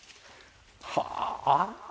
はあ！